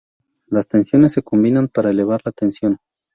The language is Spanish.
Las tensiones se combinan para elevar la tensión.